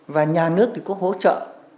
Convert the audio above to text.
và nhà nước thì có hỗ trợ